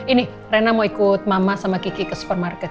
ini rena mau ikut mama sama kiki ke supermarket